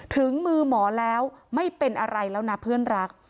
ถึงมือหมอแล้วไม่เป็นอะไรแล้วนะเพื่อนรัก